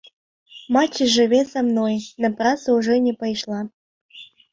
Маці жыве са мной, на працу ўжо не пайшла.